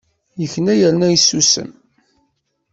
Yekna u yerna yessusem.